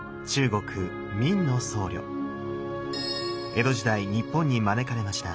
江戸時代日本に招かれました。